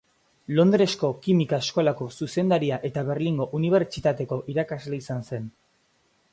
Londresko Kimika Eskolako zuzendaria eta Berlingo unibertsitateko irakasle izan zen.